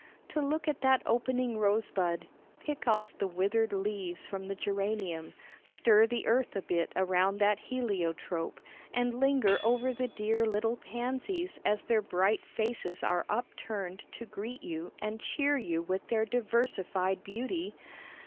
To look at that opening rosebud, pick off the withered leaves from the geranium, stir the earth a bit around that heliotrope, and linger over the dear little pansies as their bright faces are up turned to greet you and cheer you with their diversified beauty?